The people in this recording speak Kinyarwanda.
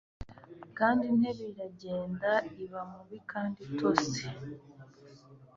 kandi intebe iragenda iba mubi kandi itose